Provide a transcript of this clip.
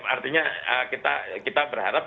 artinya kita berharap